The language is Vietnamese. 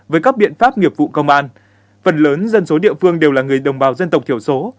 với các biện pháp nghiệp vụ công an phần lớn dân số địa phương đều là người đồng bào dân tộc thiểu số